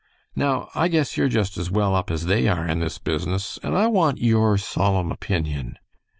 Now, I guess you're just as well up as they are in this business, and I want your solemn opinion."